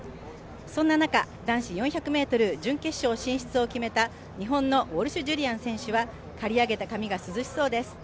そんな中男子４００ｍ準決勝進出を決めた日本のウォルシュ・ジュリアン選手は、刈り上げた髪が涼しそうです。